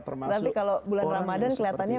tapi kalau bulan ramadhan kelihatannya